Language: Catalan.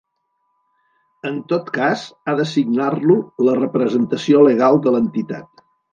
En tot cas ha de signar-lo la representació legal de l'entitat.